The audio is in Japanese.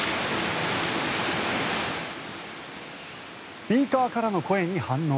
スピーカーからの声に反応。